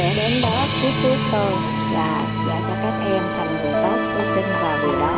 sẽ đến đó cuối tuổi tôi là sẽ cho các em thành người tốt tốt đơn và vui đau